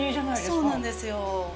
そうなんですよ。